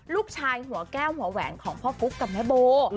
หัวแก้วหัวแหวนของพ่อกุ๊กกับแม่โบ